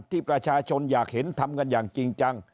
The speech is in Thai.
ที่ประชาชนอยากเห็นทำกันอย่างจริงจัง